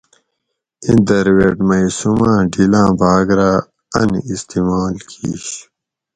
اِیں درویٹ مئی سوماں ڈِھیلاں بھاۤگ رہ اۤن استعمال کِیش